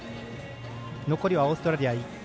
残りはオーストラリア１回。